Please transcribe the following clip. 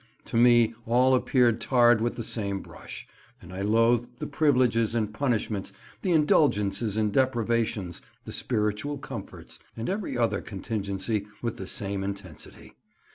To me all appeared tarred with the same brush, and I loathed the privileges and punishments, the indulgences and deprivations, the spiritual comforts, and every other contingency with the same intensity.